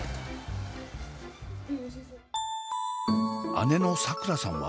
姉のさくらさんは。